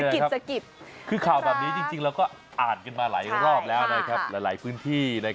สกิดนะครับคือข่าวแบบนี้จริงเราก็อ่านกันมาหลายรอบแล้วนะครับหลายพื้นที่นะครับ